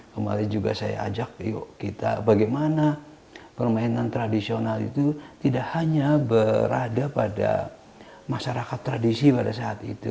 kemarin juga saya ajak yuk kita bagaimana permainan tradisional itu tidak hanya berada pada masyarakat tradisi pada saat itu